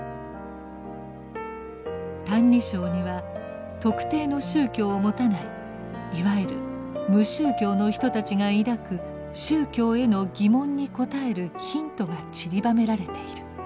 「歎異抄」には特定の宗教をもたないいわゆる「無宗教」の人たちが抱く宗教への疑問に応えるヒントがちりばめられている。